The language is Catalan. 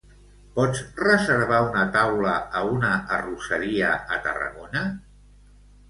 Pots reservar una taula a una arrosseria a Tarragona?